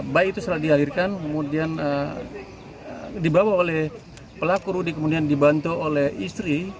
bayi itu sudah diakhirkan kemudian dibawa oleh pelaku kemudian dibantu oleh istri